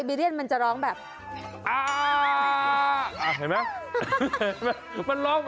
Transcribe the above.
เห็นไหมมันร้องเหมือนคนเลย